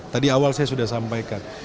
tadi awal saya sudah sampaikan